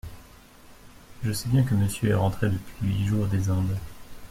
Je sais bien que Monsieur est rentré depuis huit jours des Indes.